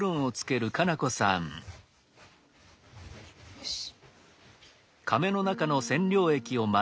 よし。